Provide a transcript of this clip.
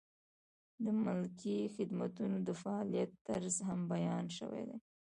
د ملکي خدمتونو د فعالیت طرز هم بیان شوی دی.